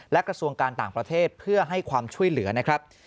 และกระทรวงการต่างประเทศเพื่อให้ความช่วยเหลือนะครับ